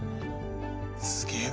すげえな。